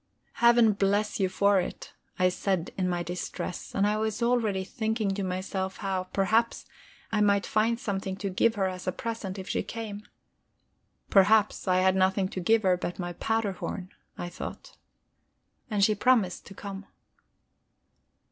"Heaven bless you for it," I said in my distress, and I was already thinking to myself how, perhaps, I might find something to give her as a present if she came. Perhaps I had nothing to give her but my powder horn, I thought. And she promised to come.